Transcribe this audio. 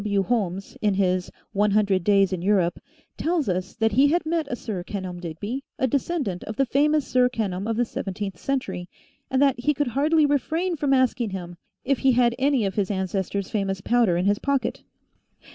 W. Holmes, in his " One Hundred Days in Europe," tells us that he had met a Sir Kenelm Digby, a descendant of the famous Sir Kenelm of the seventeenth century, and that he could hardly refrain from asking him if he had any of his ancestor's famous powder in his pocket.